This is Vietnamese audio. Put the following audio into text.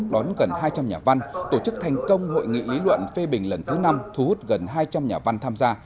đón gần hai trăm linh nhà văn tổ chức thành công hội nghị lý luận phê bình lần thứ năm thu hút gần hai trăm linh nhà văn tham gia